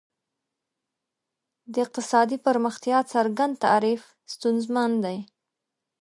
د اقتصادي پرمختیا څرګند تعریف ستونزمن دی.